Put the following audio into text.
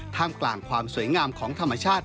กลางความสวยงามของธรรมชาติ